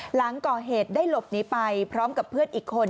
หลังก่อเหตุได้หลบหนีไปพร้อมกับเพื่อนอีกคน